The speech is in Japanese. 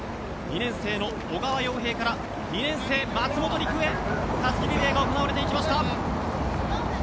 ２年生の小川耀平から２年生、松本へたすきリレーが行われました。